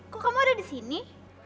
kok kamu ada di sini